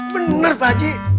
bener pak ji